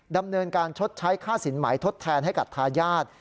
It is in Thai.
ดำเนินการชดใช้ค่าสินหมายทดแทนให้กับทายาท